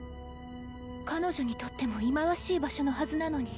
彼女にとっても忌まわしい場所のはずなのに。